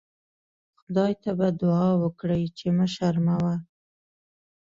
خدای ته به دوعا وکړئ چې مه شرموه.